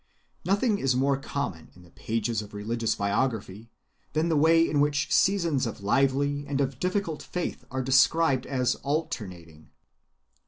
Nothing is more common in the pages of religious biography than the way in which seasons of lively and of difficult faith are described as alternating.